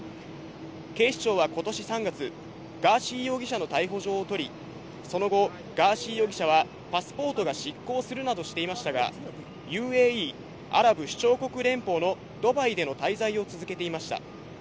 警視庁はことし３月、ガーシー容疑者の逮捕状を取り、その後、ガーシー容疑者はパスポートが失効するなどしていましたが、ＵＡＥ・アラブ首長国連邦のドバイでの滞在を続けていました。